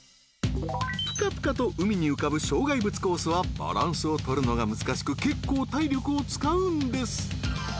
［ぷかぷかと海に浮かぶ障害物コースはバランスを取るのが難しく結構体力を使うんです］